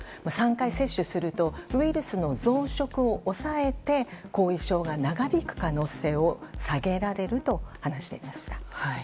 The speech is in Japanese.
３回接種するとウイルスの増殖を抑えて後遺症が長引く可能性を下げられると話していました。